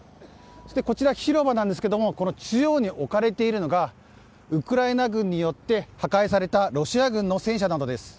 こちら広場ですが中央に置かれているのがウクライナ軍によって破壊されたロシア軍の戦車です。